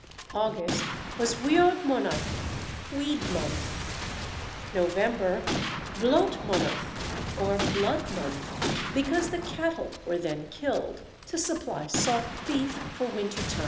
August was Weodmonath (weed month), November Blotmonath, or blood month, because the cattle were then killed to supply salt beef for winter time.